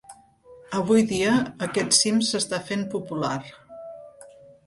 Avui dia, aquest cim s'està fent popular.